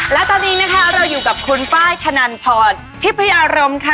และตอนนี้นะคะเราอยู่กับคุณไฟล์ชะนันพรทิพยารมค่ะ